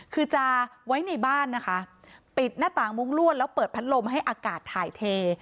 คือจะไว้ในบ้านนะคะปิดหน้าต่างมุ้งลวดแล้วเปิดพัดลมให้อากาศถ่ายเท